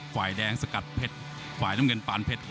ฝ่ายแดงสกัดเพชร